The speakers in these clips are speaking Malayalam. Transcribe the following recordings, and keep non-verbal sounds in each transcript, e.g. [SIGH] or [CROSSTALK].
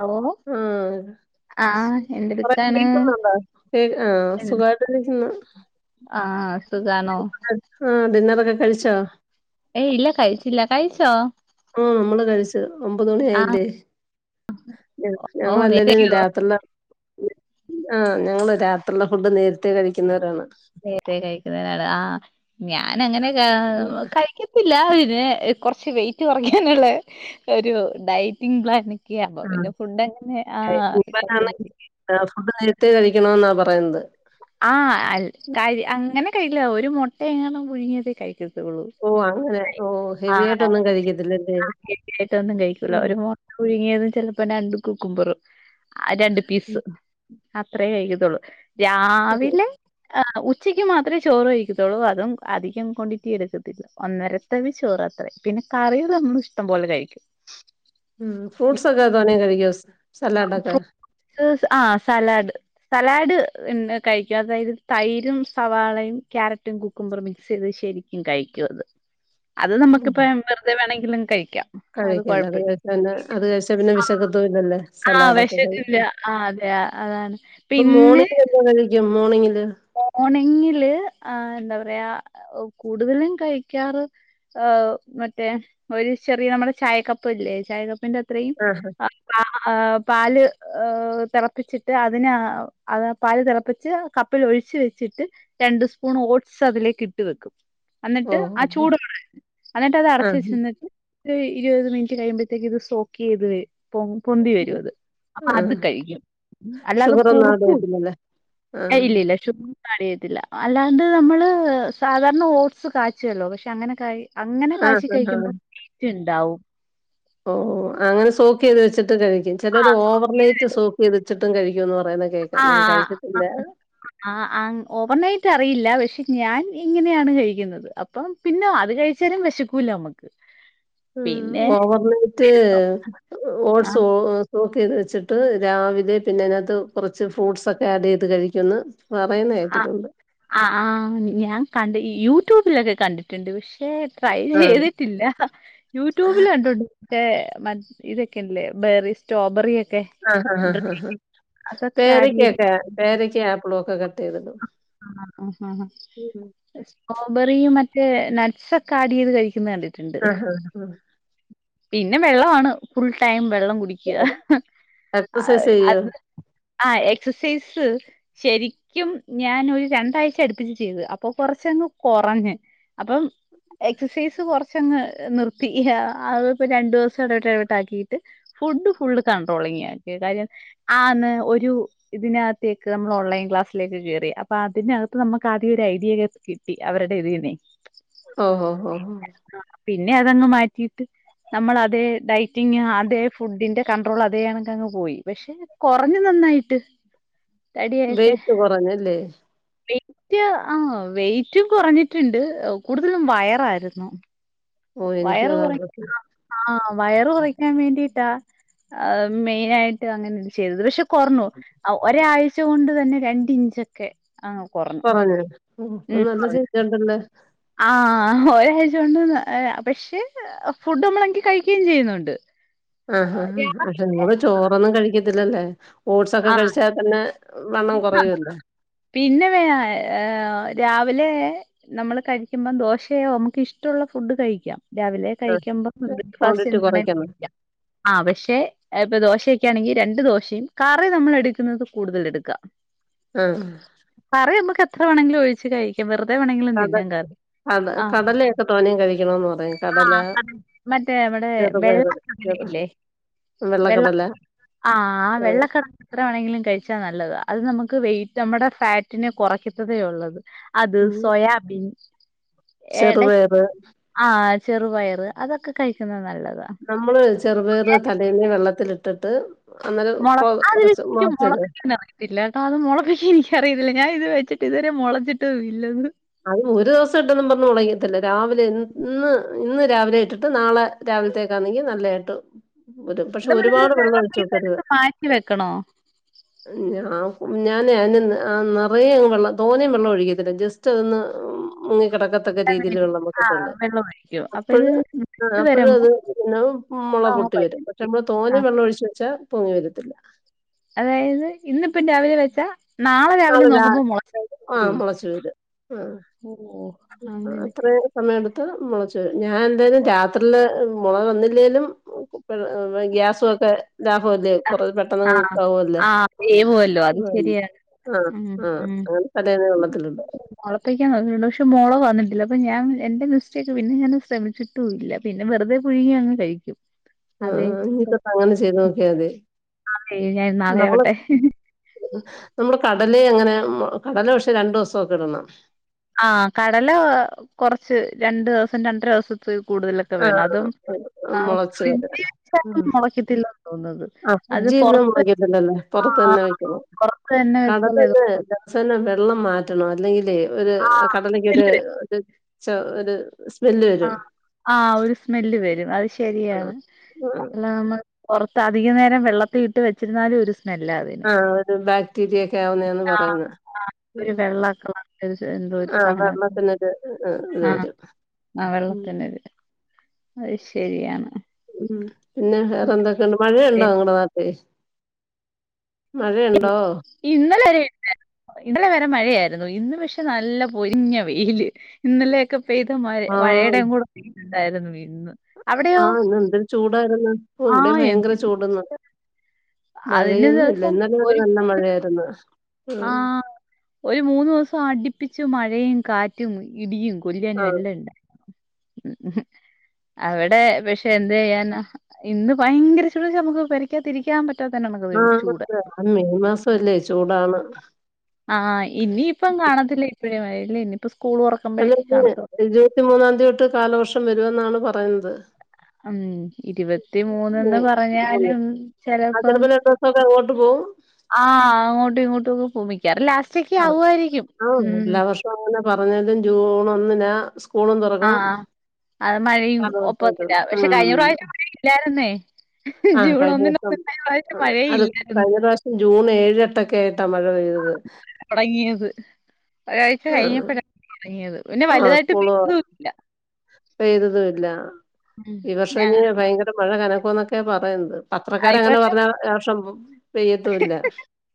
ഹലോ ആഹ് എന്തെടുക്കാണ് ആഹ സുഖമായി ആ സുഖാണോ ഡിന്നറൊക്കെ കഴിച്ചോ ഏ ഇല്ല കഴിച്ചില്ല കഴിച്ചോ ആ നമ്മള് കഴിച്ചു ഒമ്പത് മണി ആഹ് ആയില്ലേ ഓ നേരത്തെ ഞങ്ങളല്ലല്ല രാത്രി [INAUDIBLE] ആ ഞങ്ങള് രാത്രിയുള്ള ഫുഡ് നേരത്തെേ കഴിക്കുന്നവരാണ് ആ ഞാൻ അങ്ങനെ ആ [INAUDIBLE] [UNINTELLIGIBLE] കുറച്ച് വെയിറ്റ് കുറയ്ക്കാനുള്ള ഒരു ഡയറ്റിംഗ് പ്ലാൻ ആഹ് പിന്നെ ഫുഡ് അങ്ങനെ ആ [INAUDIBLE] [UNINTELLIGIBLE] കഴിക്കണ എന്നാ പറയുന്നത് ആ കഴി അങ്ങനെ [UNINTELLIGIBLE] ഒരു മുട്ട എങ്ങാനും പുഴുങ്ങിയത് കഴിക്കും ഓ അങ്ങനെ ഓ ഹെവി ആയിട്ടൊന്നും കഴിക്കത്തില്ല [INAUDIBLE] കഴിക്കില്ല ഒരു മുട്ട പുഴുങ്ങിയതും ചിലപ്പോ രണ്ട് കുക്കുംമ്പർ ആ രണ്ട് ഉം പീസ് അത്രേ കഴിക്കത്തുള്ളു രാവിലെ ആഹ് ഉച്ചക്ക് മാത്രമേ ചോറ് കഴിക്കത്തുള്ളൂ അതും അധികം ക്വാണ്ടിറ്റി എടുക്കത്തില്ല ഒന്നരത്തവി ചോറ് അത്രേ പിന്നെ കറികൾ നമ്മള ഇഷ്ട ഇഷ്ടം പോലെ കയിക്കും ഉംഹ് ഫ്രൂട്ടസക്കെ തൊനെ കഴിക്കോ സലാടക്കെ ഫ്രൂട്ട്സ് ആഹ് സലാഡ് സലാഡ് ഇൻ കഴിക്കും അതായത് തൈരും സവാളയും ക്യാരറ്റും കുക്കുംബറും മിക്സ് ചെയ്ത് ശരിക്കും കഴിക്കും അത് അത് നമക്കിപ്പം വെറുതെ വേണെ കിനം കയ്ക്കും കഴിക്കല്ല അത് കഴിച്ചന്ന അത് കഴിച്ചാ പിന്നെ വിശക്കത്തു ഇല്ലല്ലോ ആഹ വെശക്കില്ല ആഹ്ആ അതെ അതാണ് പിന്നെ മോണിങ്ങിൽ മോർണിങ്ങില് ആഹ്ആ എന്താ പറാ വേയാ കൂടുതലും കഴിക്കാറ് മറ്റേ ഒര് ചെറിയ നമ്മുടെ ചായക്കപ്പല്ലേ ചായക്കപ്പിന്റെ അത്ര ത്രയും ആഹ് ആഹ്ആ പാല് ഏഹ് തെളപ്പിച്ചിട്ട് അതിനെ ആ അത് പാല് തിളപ്പിച്ച് ക [UNINTELLIGIBLE] ഒഴിച്ച് വെച്ചിട്ട് രണ്ട് സ്പൂൺ ഓട് സതിലേക്കിട്ട് വെക്കും ഓ എന്നട്ട് ആ ചൂട് എന്നട്ട് അത് അടച്ച് ആഹ് വെച്ച് നിന്നിട്ട് ഒര് ഇരുവത് മിനിറ്റ് കഴിയുമ്പഴത്തേക്ക് ഇത് സോക്ക് ചെയ്ത് വരും പൊങ്‌ പൊന്തി വരു അത് അപ്പ ആഹ് അത് കഴിക്കും അല്ലാതെ ഷുഗർ ഒന്നും കുറുക്കു അറിയത്തില്ലല്ലേ ഏയ് ആഹ് ഇല്ല ഇല്ല ശുഗർ ഒന്നു ആഡ് [INAUDIBLE] ഇല്ല അല്ലാണ്ട് നമ്മള് സാദാർണ ഓട്സ് കാച്ചുവല്ലോ പക്ഷെ അങ്ങനെ കാ അങ്ങനെ ആഹ് കാശി കഴിക്കുമ്പോ [INAUDIBLE] ഇണ്ടാവും ഓഹ് ഓഹ് അങ്ങനെ സോക്ക് ചെയ്ത് വെച്ചിട്ട് കഴിക്കും ആ ചിലര് ഓവർനൈറ്റ് സൊക്ക് ചെയ്തു വച്ചിട്ടും കഴിക്കും ഈ ഒന്ന് ആഹ് ആഹ് ഓവർനൈറ്റ് എനിക്കറിയില്ല പക്ഷെ ഞാൻ ഇങ്ങനെയാണ് കഴിക്കുന്നത് അപ്പം പിന്നെ അത് കഴിച്ചാലും വെശക്കൂല നമ്മക്ക് ഉഹ് ഓവർ നൈറ്റ് ആ ഓട്സ് ഒവ കോക്ക് ചെയ്ത് വെച്ചിട്ട് രാവിലെ പിന്നെ അതിനത്ത് കുറച്ച് ഫ്രൂട്ട്സ് ഒക്കെ ആഡ് ചെയ്ത് കഴിക്കുന്ന് ആഹ് ആഹ്ആആ ഞാൻ കണ്ട് [INAUDIBLE] യൂട്യൂബിലക്കെ കണ്ടിട്ടിണ്ട് പക്ഷെ ക്ഷെ ട്രൈ ആഹ് ചെയ്തിട്ടില്ല യൂട്യൂബിൽ കണ്ടിട്ടുണ്ട് [UNINTELLIGIBLE] മറ്റ് ഇതൊക്കെല്ലേ ബെറി സ്ട്രോബെറി എക് ആഹാ ഹ ഹ ഹ ആ അതൊക്കെ ആഡ് ചെയ്ത് പേരക്കയൊക്കെ പേരക്ക ഫ്ലോക്ക്‌ കട്ട്ചെയ്തിടും ആ ആഹ [INAUDIBLE] സ്റ്റോബറിയും മറ്റേ നട്ട്സ് ഒക്കെ ആഡ് ചെയ്ത് കഴി ക്കുന്നെ കണ്ടിട്ടുണ്ട്. ആഹ് പിന്നെ വെള്ളമാണ് ഫുൾ ടൈം വെള്ളം കുട്ടിക്ക. ആഹ് എക്സസൈസ് ചെയ്യോ? അത് ആ എക്സസൈ എക്സൈസ് ശരിക്കും ഞാനൊരു രണ്ടാഴ്ച അടുപ്പി ചെയ്ത്. അപ്പൊ കുറച്ചങ്ങ് കുറഞ്ഞ് അപ്പം എക്സസൈസ് കുറച്ചങ്ങ് നിർത്തി. ഇപ്പൊ രണ്ടു ദിവസം ഇടവിട്ട് ഇടവിട്ടാക്കിട്ട് ഫുഡ് ഫുള്ള് കൺട്രോളിങ് ആക്കി. കാര്യം ആന്ന് ഒരു ഇതിനകത്തേക്ക് നമ്മൾ ഓൺലൈൻ ക്ലാസ്സിലേക്ക് കേറി. അപ്പൊ അതിനകത്ത് നമുക്ക് ആദ്യ ഒരു ഐഡിയെയെ കിട്ടി അവരുടെ ഇതീന്നെ. ഓ ഓ ഓ പിന്നെ അതങ്ങ് മാറ്റിയിട്ട് നമ്മൾ അതേ ഡയറ്റിങ് അതെ ഫുഡിന്റെ കൺട്രോൾ അതേ കണക്ക് അങ്ങ് പോയി. പക്ഷെ കുറഞ്ഞ് നന്നായിട്ട്. വെയിറ്റ് കുറഞ്ഞല്ലേ? വെയ്റ്റ് ആ വെയിറ്റും കുറഞ്ഞിട്ടുണ്ട്. കൂടുതലും വയറായിരുന്നു. ഓ എനിക്കും വയറു അതാ കുറയ് പ്രശ്നം. വയറു കുറയ്ക്കാൻ വേണ്ടീട്ടാ മെയിൻ ആയിട്ട് അങ്ങനെ ചെയ്തത് പക്ഷെ കുറഞ്ഞു ഔ ഒരാഴ് ച്ചോണ്ട് തന്നെ രണ്ട് ഇഞ്ചക്കെ കുറഞ്ഞു [UNINTELLIGIBLE] ആ ഒരാഴ്ച കൊണ്ട്. പക്ഷെ ഫുഡ് നമ്മള് എങ്കി കഴിക്കുയേയും ചെയ്യുന്നുണ്ട്. ആ ആ ആ പക്ഷെ നിങ്ങള് ചോറൊന്നും കഴിക്ക ത്തില്ലല്ലേ? ആ കൊറയുവല്ലേ? പിന്നെ വേ രാവിലെ നമ്മള് കഴിക്കുമ്പം ദോശയോ നമുക്ക് ഇഷ്ടമുള്ള ഫുഡ് കഴിക്കാം. രാവിലെ ആഹ് കഴിക്കുമ്പോ ബ്രേക്ക് ഫാസ്റ്റ് ക്വാണ്ടിറ്റി എന്തണേലും കൊറയ്ക്കണം. കയിക്കാം ആ പക്ഷെ ദോശ ക്കെ ആണെങ്കിൽ രണ്ട് ദോശയും കറി നമ്മൾ എടുക്കുന്നത് കൂടുതൽ എടുക്കാം. ആഹ് കറി അമ്മക്ക എത്ര വേണെങ്കിലും ഒഴിച്ച് കഴിക്കാം വെർ കടൽ കട കടലയൊക്കെ തോനയും കഴിക്കണന്ന് പറയാ ആ മറ്റേ നമ്മടെ ചെറുപയറ് വെള്ളകടല ചെറു ഇല്ലേ വെള്ള വെള്ളക്കടല ആ ആ ആഹ് വെള്ളക്കട എത്ര വേണെങ്കിലും കഴിച്ചാൽ നല്ലതാ. അത് നമുക്ക് വെയിറ്റ് നമ്മുടെ ഫാറ്റിനെ കുറയ്ക്കത്തതേ ഉള്ളത്. അത്, ഉം സോയാബീൻ എട ചെറുപയറ് ആഹ് ചെറുപയറ് അതൊക്കെ കഴിക്കുന്നത് നല്ല നമ്മള് ചെറുപയറ് തലേന്നേ വെള്ളത്തിലിട്ട് ട്ടിട്ട് മുളക്കാൻ എനിക്ക് മുളപ്പിക്കാൻ അറിയത്തില്ല കേട്ടോ അത് മുളപ്പിക്കാൻ എനിക്ക് അറിയത്തില്ല ഞാൻ ഇത് വെച്ചിട്ട് ഇതുവരെ മുളച്ചിട്ട് ഇല്ല. അത് ഒരു ദിവസം ഇട്ടൊന്നും പറഞ്ഞു മുളക്കത്തില്ല രാവിലെ ഇന്ന് ഇന്ന് രാവിലെ ഇട്ടിട്ട് നാളെ രാവിലത്തേക്കാണെങ്കി നല്ലതായിട്ട് രും പക്ഷെ നമ്മളിത് ഒരുപാട് വെള്ളം ഒഴിച്ചു വെക്കരുത്. വെള്ളത്തീന്നെടുത്ത് മാറ്റി വെക്കണോ? ഞാ ഞാന് അ നിറയെ വെള്ളം തോനെ വെള്ളം ഒഴിക്കത്തില്ല ജസ് ത്ത് നിന്ന് കിടക്കത്തക്ക രീതിയിൽ വെള്ളം ആഹ് വെക്കത്തുള്ളൂ. വെള്ളം ഒഴിക്കും അപ്പൊ അപ്പോഴ ഇത് ആ മൂത്ത് അപ്പഴും വരുമ്പോ അത് പിന്നെ മുള അതങ്ങ് പൊട്ടി വരും പക്ഷെ വറ്റിക്കും. നമ്മള് തോനെ ആഹ് വെള്ളം ഒഴിച്ച് വെച്ചാ പൊങ്ങി വരത്തില്ല. അതായത് ഇന്നിപ്പം രാവിലെ വെച്ചാ രാവിലെ നാളെ നോക്കുമ്പോ ആ മൊളച്ചിരിക്കുവേ. മുളച്ച് വരും ആ ഓഹ് അങ്ങനെ അത്ര സമയം എടുത് മുളച്ച് ഞാൻ എന്തായാലും രാത്രിയിൽ മുള വന്നില്ലേലും ഗ്യാസുംക്കെ ലാഭല്ലേ കൊറ പെട്ടെന്ന് ആഹ് കുക്കാവുല്ലേ ആഹ് വേവുവല്ലോ അത് ശരിയാണ്. ഉം ഉം മുളപ്പിക്കാൻ നോക്കിയിട്ടുണ്ട് പക്ഷെ മുള വന്നിട്ടില്ല. അപ്പൊ ഞാൻ എന്റെ മിസ്റ്റേക്ക് പിന്നെ ഞാൻ ശ്രമിച്ചിട്ടും ഇല്ല പിന്നെ വെറുതെ പുഴുങ്ങി അങ്ങ് കഴിക്കും. ആ ആ ഇനി തൊട്ട് അങ്ങനെ ചെയ്ത് നോക്കിയാ മതി ആന്നേ ഞാൻ നാളെ നമ്മള് ആവട്ടെ നമ്മള് കടലേയങ്ങന കടല പക്ഷെ രണ്ടു ദിവസമൊക്കെ ഇടണം ആഹ് കടല കൊറച്ച് രണ്ടു ദിവസം രണ്ടര ദിവസപ്പെഴും ആഹ് മുളച്ച് വരാ ഫ്രിഡ്ജിൽ ഉം. വെച്ചാലും മുളയ്ക്കത്തില്ലെന്ന് തോന്നുന്നത് ആഹ് അത് ഫ്രിഡ്ജിലിരുന്ന് പുറത്ത് മുളക്കത്തില്ലല്ലേ ആ പുറത്ത് തന്നെ വെക്കണം പുറത്ത് തന്നെ കടല വെച്ചാലേ അത് പിന്നെ മുളയ്ക്കൂ. ദിവസേന വെള്ളം മാ റ്റണം അല്ലെങ്കിൽ ലേ ഒര് ആ കടലക്ക് ഒര് സ്മെല്ല് ത് ച ഒര് സ്മെല്ല് വരും ആഹ് ഒരു സ്മെല്ല് വരും അത് ആ, ശരിയാണ്. ആ, അല്ലാതെ നമ്മൾ പുറത്ത് അധികം നേരം വെള്ളത്തി ഇട്ട് വെച്ചിരുന്നാലും ഒരു സ്മെല്ലാ അതിന് ആഹ് ഒരു ബാക്ടീരിയ ഒക്കെ ആവുന്നേന്ന് ആഹ് പറയുന്ന് ആഹ് ഒരു ഉം വെള്ള കളർ എന്തോ ഒരു ആഹ് സാധനൊക്കെ വെള്ളത്തിനൊരു ഇത് ആഹ് വരും ആഹ് ഉം വെള്ളത്തിനൊര് അത് ശരിയാണ് ഉം പിന്നെ വേറെ എന്തൊക്കെയുണ്ട് മഴയുണ്ടോ നിങ്ങളുടെ നാട്ടി- [INAUDIBLE] മഴയുണ്ടോ ഇന്നലെ വരെ ഇന്നലെ വരെ മഴയായിരുന്നു ഇന്ന് പക്ഷെ നല്ല പൊരിഞ്ഞ വെയില് ഇന്നലെയൊക്കെ പെയ്ത് മ വഴയുടെ കൂടെ ണ്ടായിരുന്നു വീ ആ ഇന്ന് എന്തരു ചൂടായിരുന്നു ഇവിടെ ആഹ് ഭയങ്കര എന്ത് ചൂടന്ന് അതിന് മഴയൊന്നും ഇല്ല ഇന്നലെ വരെ നല്ല മഴയായിരുന്നു ആ ഉം ഒരു മൂന്ന് ദിവസം അടി പ്പിച്ചു മഴയും കാറ്റും ഇടിയും പുല്യാനിയും ആഹ് എല്ലാം ഇണ്ട് ഹിം അവിടെ പക്ഷെ എന്ത് ചെയ്യാന ഇന്ന് ഭയങ്കര ചുദ നമുക്ക് പെരക്കാത്തിരിക്കാൻ പ ആ [UNINTELLIGIBLE] മെയ് മാസം അല്ലേ ചൂടാണ് ആ ഇനിയിപ്പം കാണത്തില്ലേ [UNINTELLIGIBLE] അല്ലെങ്കിൽ ഇരുപത്തി മൂന്നാം തീയതി തൊട്ട് കാലവർഷം വരുമെന്നാണ് പറയുന്നത് ഉം ഇരുപത്തി മൂന്ന്ന്ന് മെയ് പറഞ്ഞാലും ആഹ് ചെലപ്പം ചെലപ്പോ രണ്ടു ദിവസൊക്കെ അങ്ങോട്ട് പോവും ആ അങ്ങോട്ടും ഇങ്ങോട്ടും ഒക്കെ പോമി മിക്കവാറും ലാസ്റ്റക്ക ആവുമായിരിക്കും ആഹ് ഉം എല്ലാ വർഷവും അങ്ങനെ പറഞ്ഞാലും ജൂൺ ഒന്നിനാ സ്കൂളും തുറങ്ങും ആഹ് അത് മഴയും ഒപ്പത്തില്ല ക ഉ പക്ഷെ കഴിഞ്ഞ പ്രാവശ്യം മഴയില്ലായിരുന്നേ ആ ജൂൺ കഴിഞ്ഞ വർഷം ഒന്നിനൊന്നും കഴിഞ്ഞ പ്രാവശ്യം അത് മഴയില്ലായിരുന്നു കഴിഞ്ഞ പ്രവിഷം ജൂൺ ഏഴ് എട്ടൊക്കെ ആയിട്ടാണ് മഴ പെയ്തത് തുടങ്ങിയത് ഒരാഴ്ച ആഹ് കഴിഞ്ഞപ്പോഴാ തുടങ്ങിയത് പിന്നെ ആഹ് വലുതായിട്ട് സ്കൂള് പെയ്തുവില്ല പെയ്തതും ഇല്ല ഉം ഈ വർഷം ഞാ ഇനി ഭയങ്കര മഴ കന അന്നൊക്കെ പറയുന്നത് പത്രക്കാര അങ്ങനെ പറഞ്ഞ ആവർഷം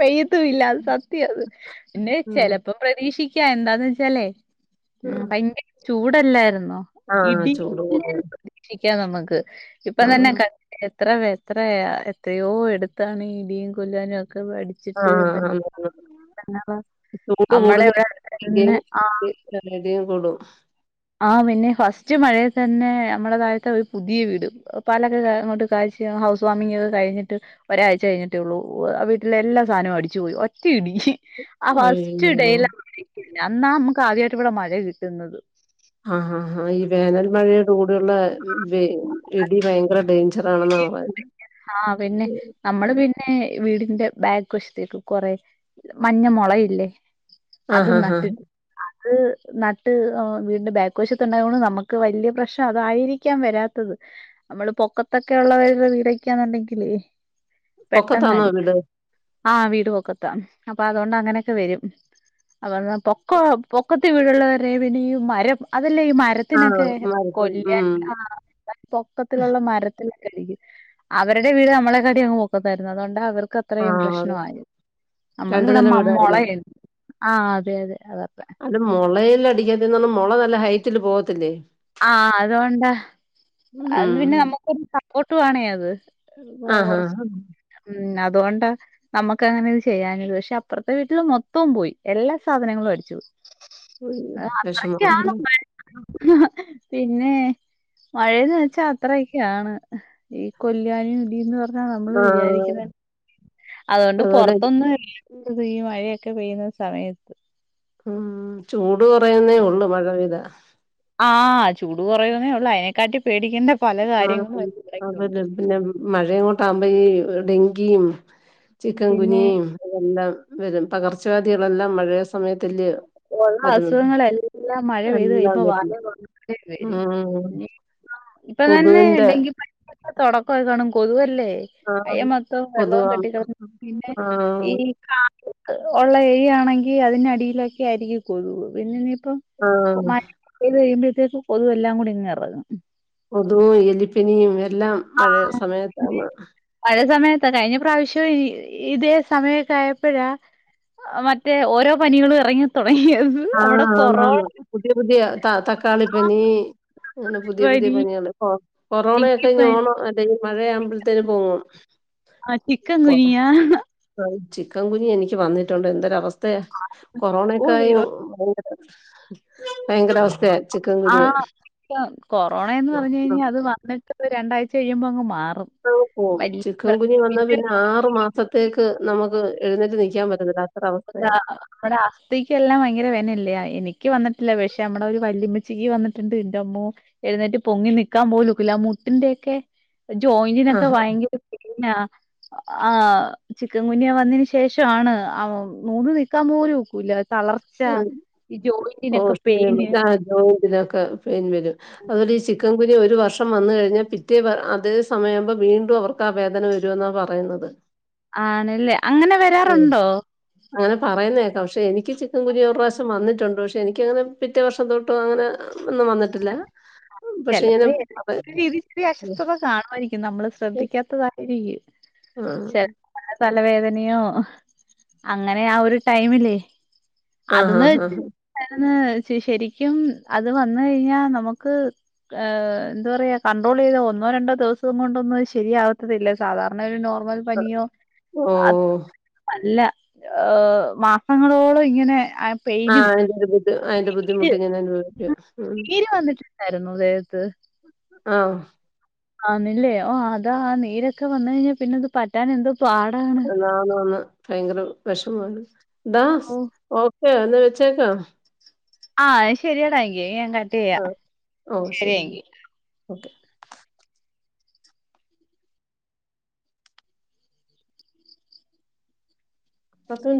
പെയ്യത്ത ഇല്ല അത് സത്യം പിന്നെ ഉം ചെലപ്പോ പ്രതീക്ഷി ക്കാ എന്താന്ന് വെച്ചാലേ ആ ഭയങ്കര ചൂടല്ലായിരുന്നോ ആ ചൂട് കൂടാണ് [UNINTELLIGIBLE] നമ്മക്ക് ഇപ്പം തന്നെ [UNINTELLIGIBLE] എത്രവേ എത്രയാ എത്രയോ എടുത്താണീ ബ് [UNINTELLIGIBLE] കൊല്ലാനും ഒക്കെ ആ അടിച്ചിട്ട് ആ എന്തെല്ലാമാണ് ചൂട് നമ്മടെ കൂടുന്ന ഇവിടെ അടുത്തന്നെ [UNINTELLIGIBLE] കൂടും ആ പിന്നെ ഫസ്റ്റ് മഴയെത്തന്നെ നമ്മുടെ താഴത്തെ ഒരു പുതിയ വീട് പാലൊക്കെ അങ്ങോട്ട് കാച്ചി ഹൗസ് വാമിംഗ് ഒക്കെ കഴിഞ്ഞിട്ട് ഒരാഴ്ച കഴിഞ്ഞിട്ടേ ഉള്ളൂ, ഉ ആ വീട്ടിലെ എല്ലാ സാധനവും അടിച്ചു പോയി ഒറ്റ ഇടി ആ ഫസ്റ്റ് അയ്യോ ഡേയിലാ [UNINTELLIGIBLE] അന്നാ നമുക്ക് ആദ്യായിട്ട് ഇവിടെ മഴ കിട്ടുന്നത് ആഹ് ആഹ് ഈ വേനൽ മഴയുടെ കൂടെയുള്ള ഇടി ഭയങ്കര ഡേഞ്ചർ ആണെന്നാ പറയുന്നെ ഹാ പിന്നെ നമ്മള് പിന്നെ വീടിന്റെ ബാക്ക് വശത്തേക്ക് കൊറെ മഞ്ഞ മുളയില്ലേ അത് ആഹ് ആഹ് നട്ട്ട്ട് ആഹ് അത് നട്ട് ആ വീടിന്റെ ബേക്ക് വശത്ത് ഉണ്ടായൊണ്ട് നമുക്ക് വലിയ പ്രശ്നം അതായിരിക്കാം വരാത്തത് നമ്മള് പൊക്കത്ത് ത്തൊക്കെ ഉള്ളവരുടെ വീടൊക്കെയാ ന്നുണ്ടെങ്കിലെ പൊക്കത്താന്നോ വീട് ആ വീട് പൊക്കത്താ അപ്പൊ അതുകൊണ്ട് അങ്ങനെയൊക്കെ വരും അതുപോലെ തന്നെ പൊക്ക പൊക്കത്ത് വീടുള്ളവരെ വീണു ഈ മരം അതല്ലേ ഈ ആഹ് മരത്തിനൊക്കെ മരത്തിൽ കൊല്ല ഉം ആ പൊക്കത്തിലുള്ള മരത്തി ക്കടിക്കും അവരുടെ വീട് നമ്മളെ കാട്ടി അങ്ങ് പൊക്കത്താരുന്നു അതുകൊണ്ട് അവർക് ക്കത്രയും ആഹ് അതെ പ്രശ്നമായി രണ്ട് നമ്മളിവിടെ നില മ്മ വീടായിരുന്നോ മൊളെയായിര് ആ അതെ അതെ അതാ അത് മുളയ് ല് അടിക്കാ [UNINTELLIGIBLE] മുള നല്ല ഹൈറ്റില് പോകത്തില്ലേ ആ അതുകൊണ്ടാ ഉം അത് പിന്നെ നമുക്കൊരു ത പൊട്ടുവാണെ അത് [UNINTELLIGIBLE] ഉം ആഹ് ആഹ് അത് അതുകൊണ്ടാ നമുക്ക് അങ്ങനെ ഒന്നും ചെയ്യാഞ്ഞത് പക്ഷെ അപ്പുറത്തെ വീട്ടില് മൊത്തവും പോയി എല്ലാ സാധനങ്ങളും അടിച്ചു പോയി യ്യോ വെഷമാവൂലേ ഹാ പിന്നെ മഴയന്ന് വെച്ചാ അത്രയക്കെയാണ് ഈ കൊല്ലാനി ഇടി ന്ന് പർ ന്നാ നമ്മള് ആഹ് വിചാരിക്കണെ അതുകൊണ്ട് അതുപോലെ പൊറത്തൊന്നും എർ ഈ മഴയൊക്കെ പെയ്യുന്ന സമയത്ത് ഉം ചൂട് കുറയുന്നേ ഉള്ളു മഴ പെയ്താ ആ ചൂട് കുറയന്നേ ഉള്ളൂ അതിനെക്കാട്ടി പേടിക്കേണ്ട പല ആ കാര്യങ്ങളും അതിന്റെ ഇടയ്ക്കുണ്ട്. അതന്നെ പിന്നെ മഴയങ്ങോട്ട ആകുമ്പോ ഈ ഡെങ്കിയും ചിക്കൻ പിന്നെ ഗുനിയും അതെല്ലാം വരും പകർച്ചവ്യാധികളെല്ലാം മഴയ സമയത്ത് ഉള്ള അസുഖങ്ങളെളല്ലാം മഴ പെയ്ത് പെയ്തു എല്ലാം കഴിയുമ്പോൾ മല വരുന്നു പോലെ വരും ഉം ഇപ്പൊ തന്നെ കൊതുവിന്റെ ഡെങ്കി പനി ഒക്കെ തുടക്കമായിക്കണ കൊതുവല്ലേ ആ [UNINTELLIGIBLE] മൊത്തവും വെള്ളവും കൊതുവാണ് കെട്ടിക്കട പിന്നെ ആ ഈ കാ [UNINTELLIGIBLE] ഉള്ള എരി ആണെങ്കിൽ ഈ അതിനടിയിലൊക്കെ ആയിരിക്കും കൊതു പിന്നെ ഇപ്പത് ആ മഴ പെയ്തു കഴിയുമ്പോ ത്തേക്ക് കൊതുതവെല്ലാം കൂടി ഇങ്ങങ് ഇറങ്ങും കൊതും എലിപ്പനി എല്ലാം ആ മഴയ സമയത്താണ് ത്ത കഴിഞ്ഞ പ്രാവശ്യം ഇതേ സമയൊക്കെ ആയപ്പോഴാ മറ്റേ ഓരോ പനികളും ഇറങ്ങിത്തു- തുടങ്ങിയത് ആ അവിടെ കൊറോ - ആണാണ് പുതിയ പുതിയ ത തക്കാളി പനി അങ്ങനെ പുതിയ പുതിയ പനി പനികാണ് കൊ കൊറോണയ ഡെങ്കിപ്പനി ക്കോണം അല്ല മഴയാവുമ്പോഴത്തേന് പോങ്ങും ആ chikungunya chikungunya എനിക്ക് വന്നിട്ടുണ്ട് എന്തൊര അവസ്ഥ വസ്തയ ഓ കൊറോണക്കായും ദൈവം [UNINTELLIGIBLE] ഭയ ഭയങ്കര അവസ്ഥ ആ [UNINTELLIGIBLE] കൊറോണ എന്ന് പറഞ്ഞു കഴിഞ്ഞാൽ അത് വന്നിട്ട് ഒരു രണ്ടഴ്ച കഴുമ്പോ അ- നമുക്ക് പോും ചിക്കൻ കുനിയ വന്നാ പിന്നെ ആറു മാസത്തേക്ക് നമുക്ക് എഴുന്നേട്ട് നിൽക്കാൻ പറ്റില്ല അ നമ്മടെ ആസ്ഥതിക്ക് എല്ലാം ഭയങ്കര വെനല്ല എനിക്ക ക്ക് വന്നിട്ടില്ല പക്ഷെ നമ്മടെ ഒരു വല്യമ്മച്ചിക്ക് വന്നിട്ടുണ്ട് ഇന്റെറമ്മൂ എഴുന്നേറ്റ് പൊങ്ങി നിക്കാൻ പോലുക്കല്ല മുട്ടിന്റെയൊക്കെ ജോയിന്റനൊക്കെ ആഹ് ഭയങ്കരന്ന പെയിനാ ആ ചിക്കൻ കുഞ്ഞയ വന്നന് ശേഷണ് ആ നൂന്ന് നിക്കാൻ പോലും ഒക്കൂല തളർച്ച [UNINTELLIGIBLE] ഈ ജോയിന്റിനൊക്കെ പെയിന് ഓജോയിന്റിനോ ക്കെ പെയിൻ വരും അതുോലെ ചിക്കൻ കുനിയ ഒരു വർഷം വന്ന കഴിഞ്ഞാൽ പിറ്റേ അതേ സമയ ആമ്പോ വീണ്ടും അവർക്ക് ആ വേദന വരുമെന്നാ പറയുന്നത് ആണല്ലേ അങ്ങനെ ഉം വരാറുണ്ടോ അങ്ങനെ പറയുന്നേക്കാം പക്ഷെ എനിക്ക് കുനിയ ഒരു പ്രാവശ്യം വന്നിട്ടുണ്ട് പക്ഷേ എനിക്കങ്ങെ പിറ്റ വർഷം തൊട്ട് അങ്ങനെ ഒന്നും വന്നിട്ടില്ല പക്ഷെ ഇങ്ങനെ ചിലപ്പോ എ പറ രീതിരി അസ്സ്ഥത കാണുമായിരിക്കും നമ്മള് ശ്രദ്ധിക്കാത്തതായിരിക്കും ആഹ് [UNINTELLIGIBLE] തല വേദനയോ അങ്ങനെ ആ ഒരു ടൈമില്ലേ ആഹ് അതൊന്ന് വ ആഹ് അ ശ ശെരിക്കും അത് വ ന യ്യാ നമുക്ക് ആ എന്താ പറയാ കണ്ടറോലൈത ഒന്നോ രണ്ടോ ദിവസം കൊണ്ടൊന്നും ശരിയാവാത്തല്ലാ സാദാരണ നോ വ ൽ പനിയോ അ ഓഹ് അല്ല ഹ മാസങ്ങളോളം ഇങ്ങനെ ആ പെയിനും അയിന്റെ ബുദ്ധിമുട്ട് നീര് ഞാൻ അനുഭവിക്കുക ഉ അതേത് ആഹ ആന്നില്ലേ ഓ അതാ ആ നീരൊക്കെ വന്ന കഴിഞ്ഞാൽ പിന്നെ അത് പറ്റാൻ എന്ത് അതാണ് ഭയങ്കര വിഷമാണ് ദാസ് ഓ ഏ എന്നാ വെച്ചേക്കാം ആഹ ശെരിയടാ എങ്കേ ഞാൻ കാട്ട് ചെയ്യ ആഹ് ഓഹ് ശരി. ശരിയങ്കി ഓക്കെ. അപ്പം